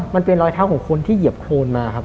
มันเป็นรอยเท้าของคนที่เหยียบโครนมาครับ